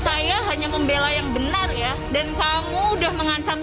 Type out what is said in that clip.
saya hanya membela yang benar ya dan kamu udah mengancam